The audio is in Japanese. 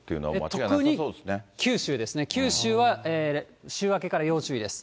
特に九州ですね、九州は週明けから要注意です。